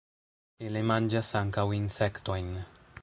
Ili manĝas ankaŭ insektojn.